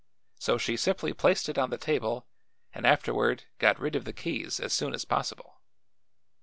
So she simply placed it on the table and afterward got rid of the keys as soon as possible.